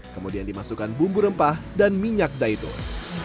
kemudian dimasukkan bumbu rempah dan minyak zaitun